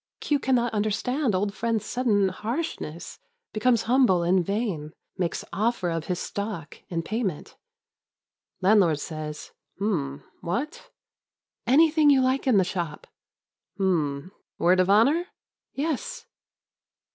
Queue cannot understand old friend's sudden harshness, be comes humble in vain, — makes offer of his stock in payment. Landlord says, "Hm! what?" "Anything you like in the shop." "Hm, word of honor?" "Yes."